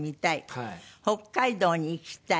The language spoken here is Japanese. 北海道に行きたい。